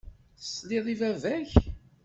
Tesliḍ i baba-k.